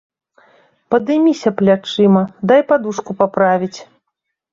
Падыміся плячыма, дай падушку паправіць.